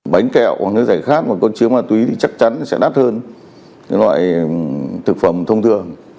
bánh kẹo nước giải khát một con chứa ma túy chắc chắn sẽ đắt hơn loại thực phẩm thông thường